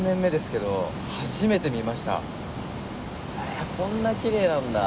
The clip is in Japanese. へえこんなきれいなんだ。